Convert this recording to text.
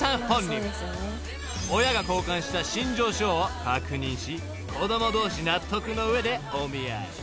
［親が交換した身上書を確認し子供同士納得の上でお見合い］